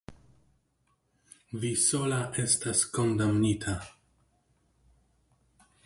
vi sola estas kondamnita!